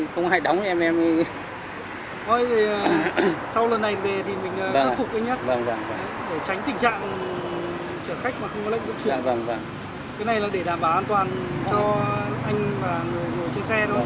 cái này là để đảm bảo an toàn cho anh và người chơi xe thôi